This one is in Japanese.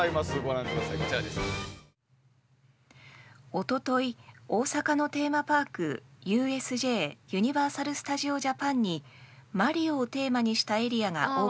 「おととい大阪のテーマパークＵＳＪユニバーサルスタジオジャパンに『マリオ』をテーマにしたエリアがオープンしました」。